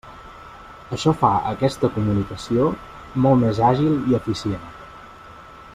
Això fa aquesta comunicació molt més àgil i eficient.